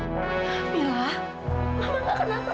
ya mila mama kenapa kenapa